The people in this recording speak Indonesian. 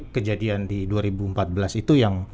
kejadian di dua ribu empat belas itu yang